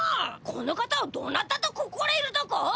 この方をどなたと心えるだか？